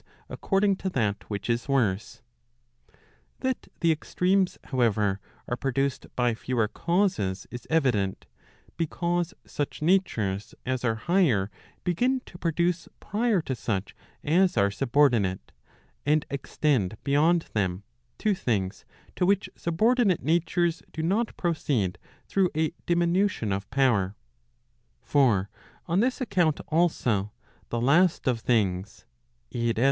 according to that which is worse. That the extremes, however, are produced by fewer causes is evident, because such natures as are higher begin to produce prior to such as are subordinate, and extend beyond them, to things to which subordinate natures do not proceed through a diminution of power. For on this account also, the last of things, Q.